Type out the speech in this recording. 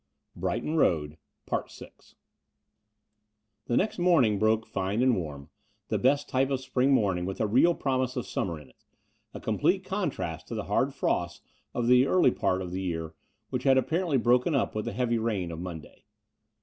The Brighton Road 83 {Continued) The next morning broke fine and warm, the best type of spring morning with a real promise of summer in it, a complete contrast to the hard frost of the early part of the year, which had apparently broken up with the heavy rain of Monday.